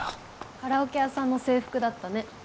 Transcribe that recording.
カラオケ屋さんの制服だったね